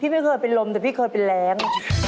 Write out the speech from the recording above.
ไม่เคยเป็นลมแต่พี่เคยเป็นแรง